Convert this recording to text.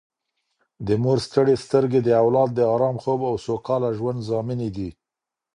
د مور ستړې سترګې د اولاد د ارام خوب او سوکاله ژوند ضامنې دي